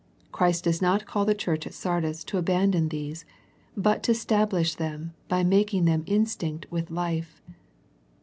Christ does not call the church at Sardis to abandon these, but to stablish them by making them instinct with life.